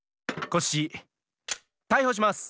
コッシータイホします！